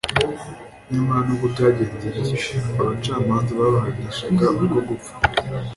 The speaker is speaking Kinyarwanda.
Nyamara nubwo byagenze bityo abacamanza babahanishaga urwo gupfa.